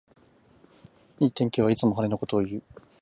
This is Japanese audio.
いい天気はいつも晴れのことをいう